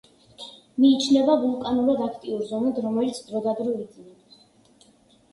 მიიჩნევა ვულკანურად აქტიურ ზონად, რომელიც დროდადრო იძინებს.